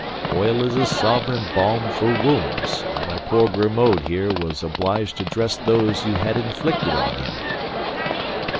"Oil is a sovereign balm for wounds; and my poor Grimaud here was obliged to dress those you had inflicted on him."